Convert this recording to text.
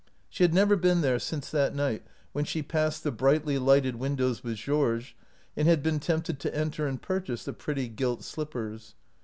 She had never been there since that night when she passed the brightly lighted windows with Georges and had been tempted to enter and purchase the pretty gilt slippers.